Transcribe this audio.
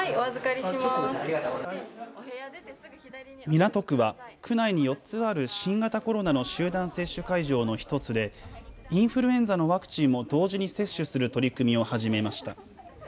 港区は区内に４つある新型コロナの集団接種会場の１つでインフルエンザのワクチンも同時に接種する取り組みを始めました。